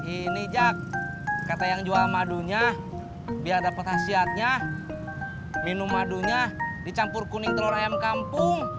ini jak kata yang jual madunya biar dapat khasiatnya minum madunya dicampur kuning telur ayam kampung